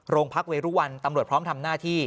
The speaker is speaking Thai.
โรงพักเวรุวันตำรวจพร้อมทำหน้าที่